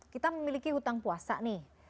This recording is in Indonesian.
kita memiliki hutang puasa nih